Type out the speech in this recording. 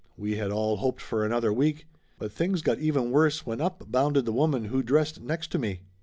We had all hoped for another week. But things got even worse when up bounded the woman who dressed next to me.